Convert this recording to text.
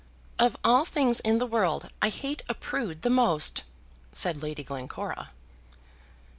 "Of all things in the world, I hate a prude the most," said Lady Glencora.